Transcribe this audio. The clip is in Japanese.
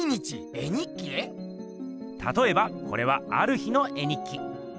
たとえばこれはある日の絵日記。